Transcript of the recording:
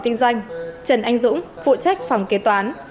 kinh doanh trần anh dũng phụ trách phòng kế toán